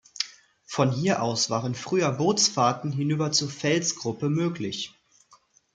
Von hier aus waren früher Bootsfahrten hinüber zur Felsgruppe möglich.